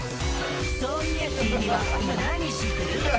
「そういや君は今何してる？」